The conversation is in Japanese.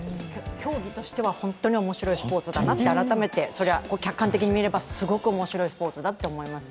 競技としては本当に面白いスポーツだなって客観的に見ればすごく面白いスポーツだなと思います。